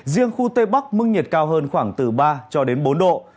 riêng khu tây bắc mức nhiệt cao hơn khoảng từ ba cho đến bốn độ